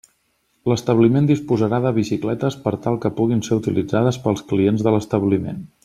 L'establiment disposarà de bicicletes per tal que puguin ser utilitzades pels clients de l'establiment.